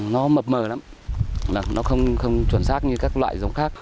nó mập mờ lắm là nó không chuẩn xác như các loại giống khác